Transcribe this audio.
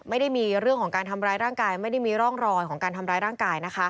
ไม่ได้มีเรื่องของการทำร้ายร่างกาย